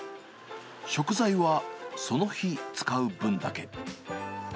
食材はその日使う分だけ。